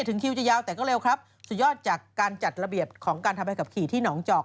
ถึงคิวจะยาวแต่ก็เร็วครับสุดยอดจากการจัดระเบียบของการทำใบขับขี่ที่หนองจอก